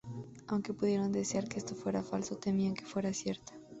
Aunque pudieran desear que esto fuera falso, temían que fuera cierta..."